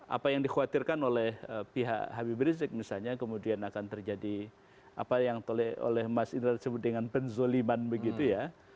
apa yang dikhawatirkan oleh pihak habib rizik misalnya kemudian akan terjadi apa yang oleh mas indra sebut dengan penzoliman begitu ya